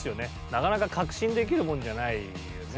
なかなか確信できるもんじゃないよね。